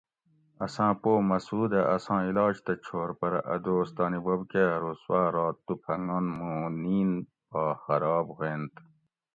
اساں پو مسعودہ اساں علاج تہ چھور پرہ اۤ دوس تانی بوب کہ ارو سوا رات تُو پھنگنت مُوں نِین پا خراب ہویٔینت